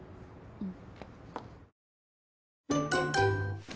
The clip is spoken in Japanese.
うん。